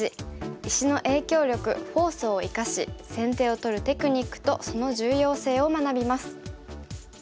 石の影響力フォースを生かし先手を取るテクニックとその重要性を学びます。